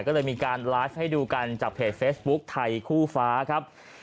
ก็เลยมีการไลฟ์ให้ดูกันจากเพจเฟซบุ๊คไทยคู่ฟ้าครับ